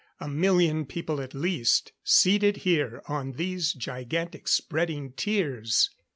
A million people at least, seated here on these gigantic spreading tiers.